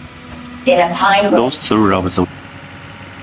Dost thou love the world?